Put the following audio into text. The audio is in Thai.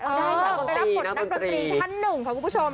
เออไปรับบทนักดนตรีท่านหนึ่งค่ะคุณผู้ชม